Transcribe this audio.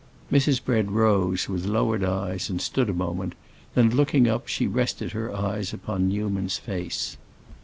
Mrs. Bread rose, with lowered eyes, and stood a moment; then, looking up, she rested her eyes upon Newman's face.